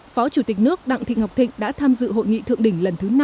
phó chủ tịch nước đặng thị ngọc thịnh đã tham dự hội nghị thượng đỉnh lần thứ năm